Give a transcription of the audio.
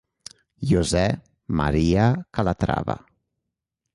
José María Calatrava